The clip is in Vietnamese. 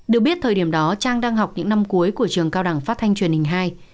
được biết thời điểm đó trang đang học những năm cuối của trường cao đẳng phát thanh truyền hình hai